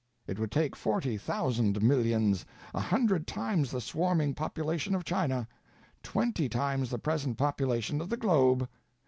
It would take forty thousand millions—a hundred times the swarming population of China—twenty times the present population of the globe.